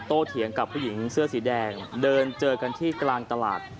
เถียงกับผู้หญิงเสื้อสีแดงเดินเจอกันที่กลางตลาด